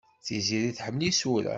Tiziri tḥemmel isura.